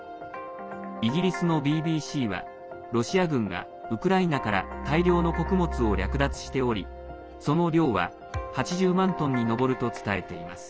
イギリスのＢＢＣはロシア軍がウクライナから大量の穀物を略奪しておりその量は８０万トンに上ると伝えています。